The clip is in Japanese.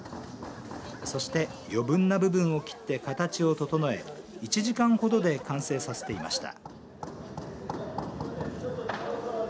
そして、余分な部分を切って形を整え１時間ほどで完成させていました。